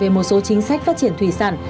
về một số chính sách phát triển thủy sản